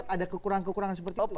ada kekurangan kekurangan seperti itu